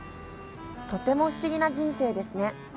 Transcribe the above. とても不思議な人生ですね。